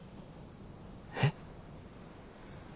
えっ？